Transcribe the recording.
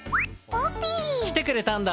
来てくれたんだ。